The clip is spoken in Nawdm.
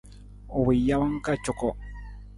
U wii jawang ka cuko.